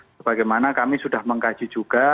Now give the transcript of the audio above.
sebagaimana kami sudah mengkaji juga